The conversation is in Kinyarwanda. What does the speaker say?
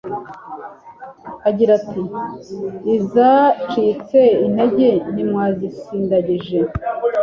agira ati: "Izacitse intege ntimwazisindagije,